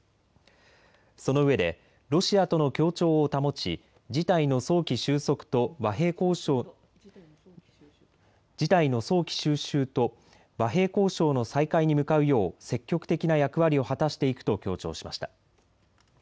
そのうえでロシアとの協調を保ち事態の早期収拾と和平交渉の再開に向かうよう積極的な役割を果たしていくと強調しました。